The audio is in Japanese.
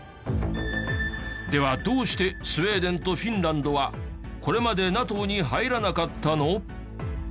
ではどうしてスウェーデンとフィンランドはこれまでＮＡＴＯに入らなかったの？